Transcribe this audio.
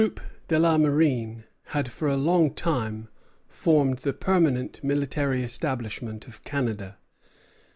The troupes de la marine had for a long time formed the permanent military establishment of Canada.